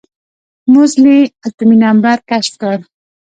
موزلي اتومي نمبر کشف کړه.